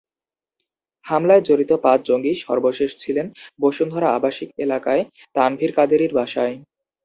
হামলায় জড়িত পাঁচ জঙ্গি সর্বশেষ ছিলেন বসুন্ধরা আবাসিক এলাকায় তানভীর কাদেরীর বাসায়।